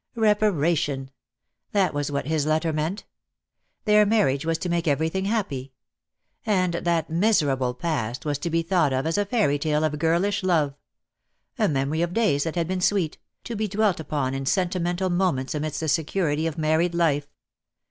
Reparation! That was what his letter meant. Their marriage was to make everything happy; and that miserable past was to be thought of as a fairy tale of girlish love, a memory of days that had been sweet, to be dwelt upon in sentimental moments amidst the security of married life.